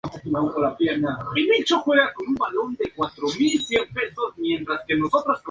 La gran perjudicada fue la ganadería, que se quedó sin pastos libres.